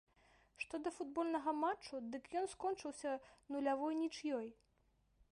Што да футбольнага матчу, дык ён скончыўся нулявой нічыёй.